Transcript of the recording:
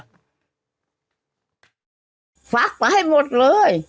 ฝากมันให้หมดเลย